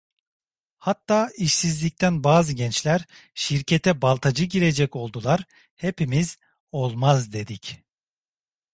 Hatta işsizlikten bazı gençler şirkete baltacı girecek oldular, hepimiz olmaz dedik.